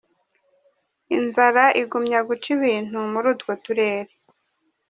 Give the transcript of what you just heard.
Inzara igumya guca ibintu muri utwo turere.